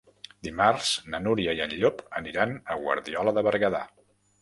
Dimarts na Núria i en Llop aniran a Guardiola de Berguedà.